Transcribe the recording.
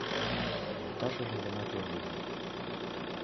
Йолташыжым гына первый ужыт.